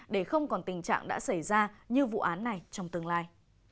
để không còn tình trạng đã xảy ra như vụ án này trong tương lai